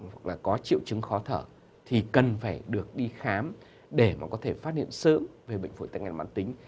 hoặc là có triệu chứng khó thở thì cần phải được đi khám để mà có thể phát hiện sớm về bệnh phổi tắc nghẹn mãn tính